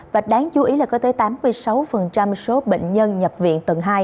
và đáng chú ý là có tới tám mươi sáu số bệnh nhân nhập viện tầng hai